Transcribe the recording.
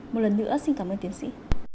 một lần nữa xin cảm ơn tiến sĩ